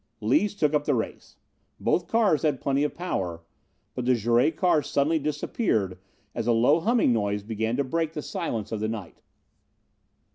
Lees took up the race. Both cars had plenty of power, but the Jouret car suddenly disappeared as a low humming noise began to break the stillness of the night.